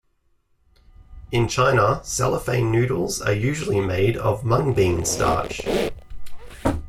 In China, cellophane noodles are usually made of mung bean starch.